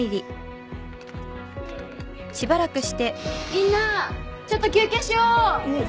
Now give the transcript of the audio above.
みんなちょっと休憩しよう！